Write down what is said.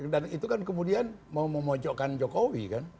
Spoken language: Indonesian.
dan itu kan kemudian memomojokkan jokowi kan